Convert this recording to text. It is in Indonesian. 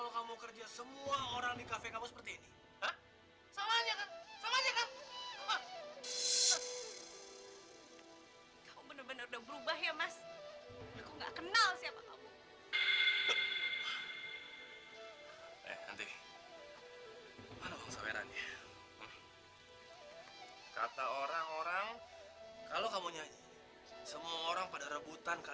sampai jumpa di video selanjutnya